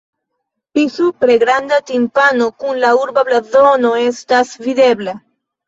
Pli supre granda timpano kun la urba blazono estas videbla.